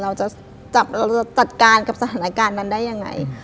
เราจะจัดการกับสถานการณ์นั้นได้ยังไง